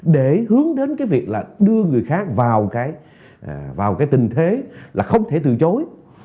để hướng đến cái việc là đưa người khác vào cái tình thế là không thể từ chối